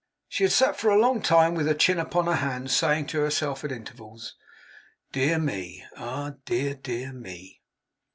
She had sat for a long time with her chin upon her hand, saying to herself at intervals, 'Dear me! Ah, dear, dear me!